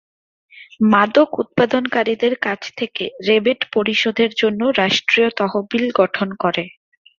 মাদক উৎপাদনকারীদের কাছ থেকে রেবেট পরিশোধের জন্য রাষ্ট্রীয় তহবিল গঠন করে।